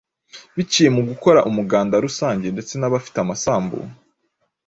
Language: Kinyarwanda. biciye mu gukora umuganda rusange ndetse n’abafite amasambu